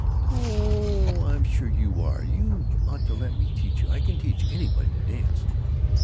"Oh, I'm sure you are. You ought to let me teach you. I can teach anybody to dance."